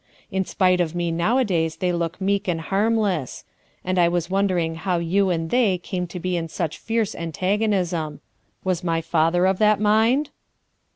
In spite of me nowadays they look meek and harmless; and I was wondering how you am] they came to bo in such fierce antagonism. Was ray father of that mind?"